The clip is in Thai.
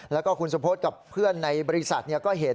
แล้วก็คุณสุพธกับเพื่อนในบริษัทก็เห็น